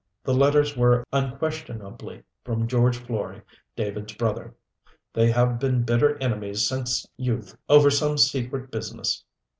THE LETTERS WERE UNQUESTIONABLY FROM GEORGE FLOREY DAVID'S BROTHER. THEY HAVE BEEN BITTER ENEMIES SINCE YOUTH OVER SOME SECRET BUSINESS.